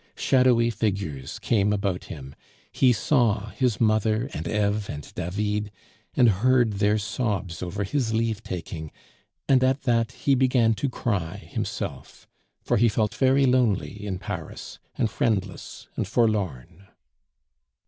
Shadowy figures came about him; he saw his mother and Eve and David, and heard their sobs over his leave taking, and at that he began to cry himself, for he felt very lonely in Paris, and friendless and forlorn.